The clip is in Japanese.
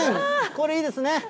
これいいですね。